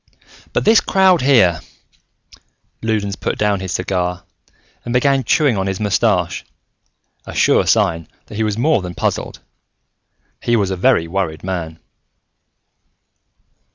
"But this crowd here!" Loudons put down his cigar and began chewing on his mustache, a sure sign that he was more than puzzled: he was a very worried man.